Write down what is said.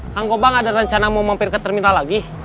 kang kobang ada rencana mau mampir ke terminal lagi